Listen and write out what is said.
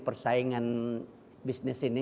persaingan bisnis ini